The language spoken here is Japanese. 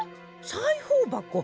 さいほうばこ。